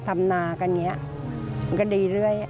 ทำนากันอย่างนี้มันก็ดีเรื่อย